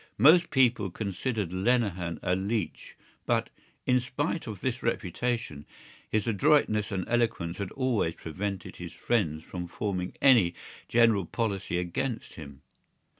Most people considered Lenehan a leech but, in spite of this reputation, his adroitness and eloquence had always prevented his friends from forming any general policy against him.